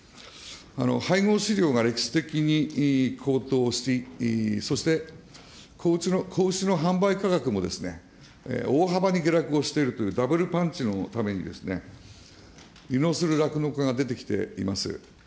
配合飼料が歴史的に高騰し、そして子牛の販売価格も大幅に下落しているというダブルパンチのためにですね、離農する酪農家が出てきています。